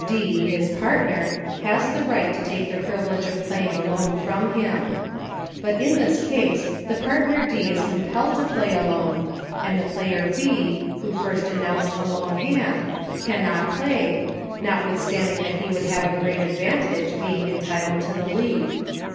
D, his partner, has the right to take the privilege of Playing Alone from him. But in this case, the partner D is compelled to Play Alone, and the player B, who first announced a lone hand, cannot play, lot withstanding that he would have a great advantage, being entitled to the lead.